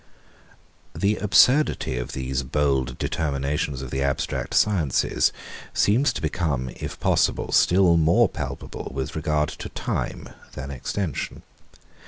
The absurdity of these bold determinations of the abstract sciences seems to become, if possible, still more palpable with regard to time than extension.